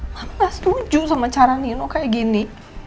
mama gak setuju sama cara nino kayak gini